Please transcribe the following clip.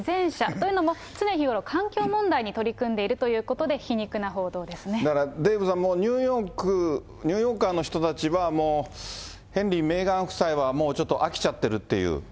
というのも、常日頃、環境問題に取り組んでいるということで、皮デーブさん、ニューヨーク、ニューヨーカーの人たちは、ヘンリー、メーガン夫妻はもうちょっと飽きちゃってるっていう。